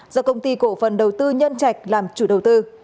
do công ty cổ phần đầu tư nhân trạch làm chủ đầu tư